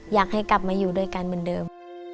อยากให้กลับมาอยู่ด้วยกันเหมือนเดิม